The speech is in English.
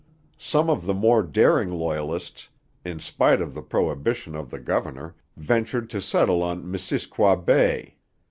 Some of the more daring Loyalists, in spite of the prohibition of the governor, ventured to settle on Missisquoi Bay.